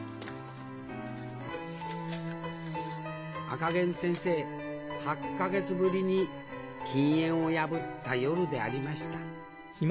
赤ゲン先生８か月ぶりに禁煙を破った夜でありましたはい。